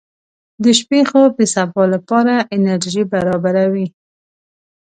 • د شپې خوب د سبا لپاره انرژي برابروي.